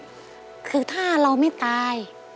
ความหวังอีกคือถ้าเราไม่ตาย